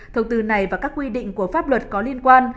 thông tư này và các quy định của pháp luật có liên quan